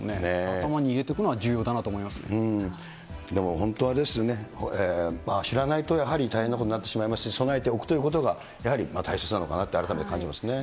頭に入れておくのは重要だなと思でも本当ですね、知らないとやはり大変なことになってしまいますし、備えておくということがやはり大切なのかなって改めて感じますね。